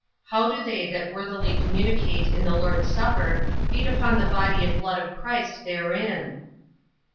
How do they that worthily communicate in the Lord's supper feed upon the body and blood of Christ therein?